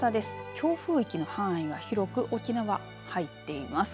強風域の範囲が広く沖縄入っています。